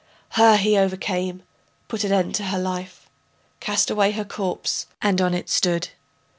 Her he overcame, put an end to her life, Cast away her corpse and on it stood.